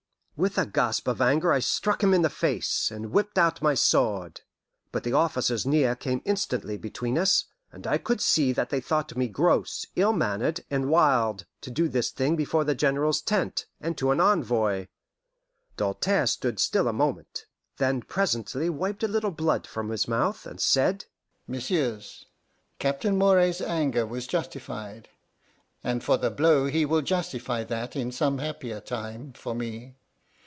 With a gasp of anger I struck him in the face, and whipped out my sword. But the officers near came instantly between us, and I could see that they thought me gross, ill mannered, and wild, to do this thing before the General's tent, and to an envoy. Doltaire stood still a moment. Then presently wiped a little blood from his mouth, and said: "Messieurs, Captain Moray's anger was justified; and for the blow he will justify that in some happier time for me.